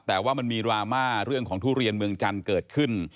แต่ว่ามันมีดราม่าเรื่องของทุเรียนเมืองจันทร์เกิดขึ้น